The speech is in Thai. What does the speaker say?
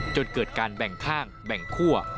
จนเกิดการแบ่งข้างแบ่งคั่ว